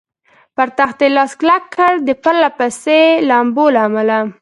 پر تختې لاس کلک کړ، د پرله پسې لامبو له امله.